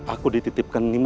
aku dititipkan lima rara